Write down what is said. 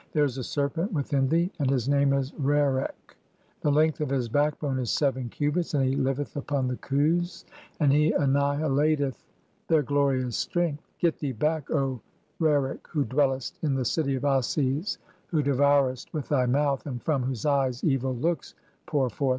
There is a serpent within thee "(3) and his name is Rerek ; the length of his backbone is seven "cubits, and he liveth upon the Khus, and he annihilateth (4) "their glorious strength. Get thee back, O Rerek, who dwellest "in the city of Ases, who devourest with thy mouth, and from "whose eyes (5) evil looks pour forth.